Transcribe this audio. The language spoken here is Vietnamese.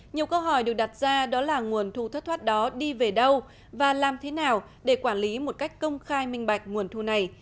nhiều câu hỏi được đặt ra đó là nguồn thu thất thoát đó đi về đâu và làm thế nào để quản lý một cách công khai minh bạch nguồn thu này